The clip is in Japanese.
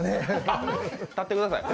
あ立ってください。